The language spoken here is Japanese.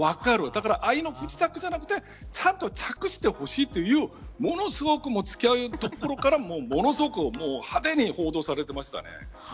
だから愛の不時着じゃなくてちゃんと着地してほしいといえるものすごく付き合うところから派手に報道されていましたね。